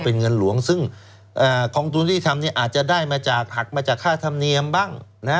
ก็เป็นเงินหลวงซึ่งของกองทุนยุติธรรมนี่อาจจะหักมาจากค่าธรรมเนียมบ้าง